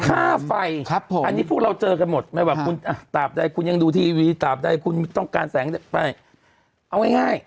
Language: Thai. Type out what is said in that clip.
ค่าไฟอันนี้พวกเราเจอกันหมดไม่ว่าคุณตาบใดคุณยังดูทีวีตาบใดคุณต้องการแสงไปเอาง่าย